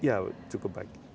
ya cukup baik